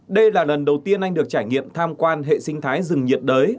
đây là lần đầu tiên anh được trải nghiệm tham quan hệ sinh thái rừng nhiệt đới